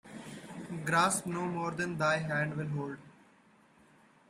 Grasp no more than thy hand will hold.